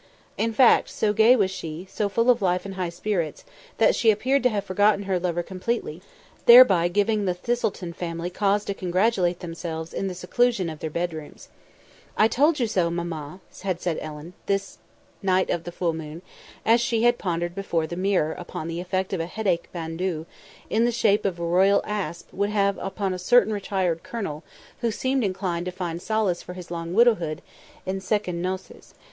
In fact, so gay was she, so full of life and high spirits, that she appeared to have forgotten her lover completely, thereby giving the Thistleton family cause to congratulate themselves in the seclusion of their bedrooms. "I told you so, Mamma," had said Ellen, this night of the full moon, as she had pondered before the mirror upon the effect a headache bandeau in the shape of a royal asp would have upon a certain retired colonel who seemed inclined to find solace for his long widowhood en secondes noces.